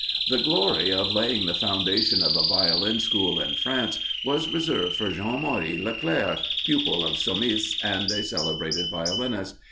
The glory of laying the foundation of a Violin school in France was reserved for Jean Marie Leclair, pupil of Somis, and a celebrated violinist.